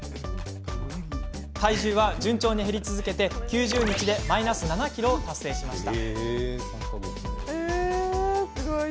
体重は順調に減り続け９０日でマイナス７ｋｇを達成しました。